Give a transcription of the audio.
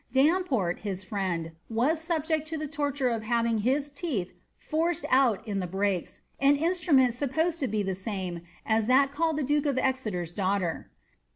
Damport, his friend, was subject to the torture of having his teem forced out in the brakes, an instrument supposed to be the same as that called the duke of Exeter's daughter.